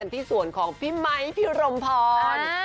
ที่ส่วนของพี่ไมค์พี่รมพร